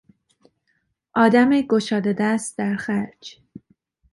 آدم گشاده دست در خرج